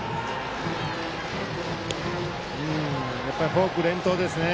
フォーク連投ですね